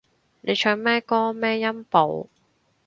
你唱咩歌咩音部